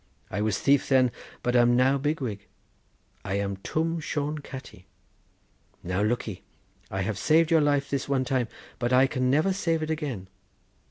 I was thief then, but am now big wig. I am Twm Shone Catti. Now lookee! I have saved your life this one time, but I can never save it again.